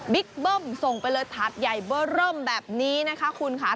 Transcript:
เบิ้มส่งไปเลยถาดใหญ่เบอร์เริ่มแบบนี้นะคะคุณค่ะ